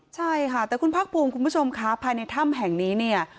ใช่ค่ะแต่คุณภาคภูมิคุณผู้ชมค่ะภายในถ้ำแห่งนี้เนี่ย